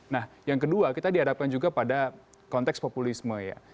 nah yang kedua kita dihadapkan juga pada konteks populisme ya